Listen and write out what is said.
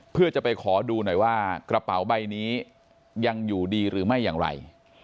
เพื่อจะไปขอดูหน่อยว่ากระเป๋าใบนี้ยังอยู่ดีหรือไม่อย่างไร